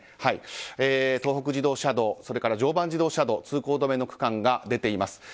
東北自動車道それから常磐自動車道通行止めの区間が出ています。